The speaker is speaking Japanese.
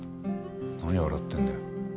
何笑ってんだよ。